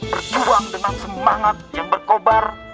berjuang dengan semangat yang berkobar